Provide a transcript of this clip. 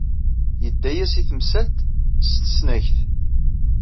Yedda-as i temsalt s tesnagt.